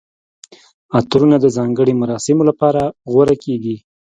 عطرونه د ځانګړي مراسمو لپاره غوره کیږي.